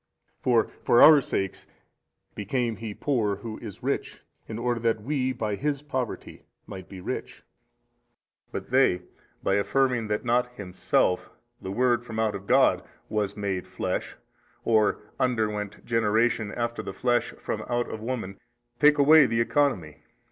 For for our sakes became He poor who is Rich in order that WE by His Poverty might be rich. But they by affirming that not Himself, the Word from out of God, WAS MADE flesh, or underwent generation after the flesh from out of woman, take away the Economy.